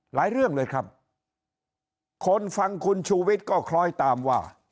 เรื่องเลยครับคนฟังคุณชูวิทย์ก็คล้อยตามว่า